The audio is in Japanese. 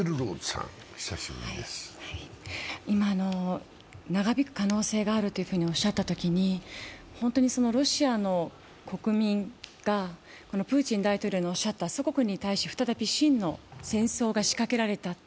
今の長引く可能性があるとおっしゃったときに本当にロシアの国民がプーチン大統領のおっしゃった祖国に対し再び真の戦争が仕掛けられたと。